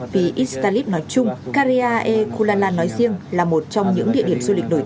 vì iztalip nói chung karya ekulalan nói riêng là một trong những địa điểm du lịch khá nhiều